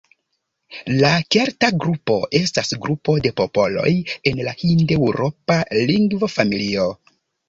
La kelta grupo estas grupo de popoloj en la hindeŭropa lingvofamilio.